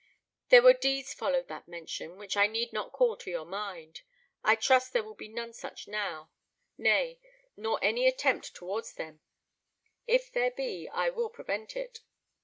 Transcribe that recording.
There were deeds followed that mention, which I need not call to your mind. I trust there will be none such now nay, nor any attempt towards them; if there be, I will prevent it.